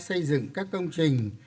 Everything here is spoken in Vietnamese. xây dựng các công trình